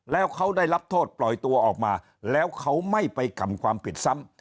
แล้วเขาได้รับโทษปล่อยตัวออกมาแล้วเขาไม่ไปกำความผิดซ้ำ